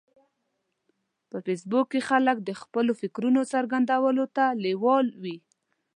په فېسبوک کې خلک د خپلو فکرونو څرګندولو ته لیوال وي